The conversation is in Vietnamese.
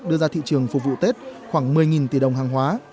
đưa ra thị trường phục vụ tết khoảng một mươi tỷ đồng hàng hóa